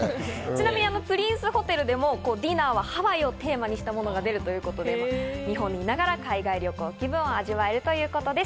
プリンスホテルでもディナーはハワイをテーマにしたものが出るということで、日本にいながら海外旅行気分を味わえるということです。